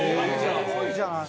すごいじゃない。